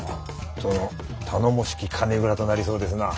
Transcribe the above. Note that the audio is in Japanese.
殿頼もしき金蔵となりそうですな。